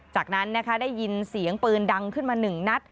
จากนั้นได้ยินเสียงปืนดังขึ้นมาหนึ่งนัด